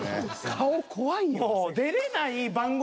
顔怖いよ。